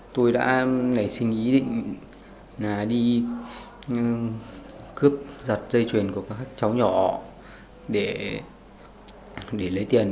tôi đã nảy sinh ý định đi cướp giật dây chuyền của các cháu nhỏ để lấy tiền